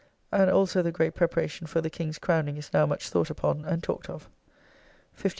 And also the great preparation for the King's crowning is now much thought upon and talked of. 15th.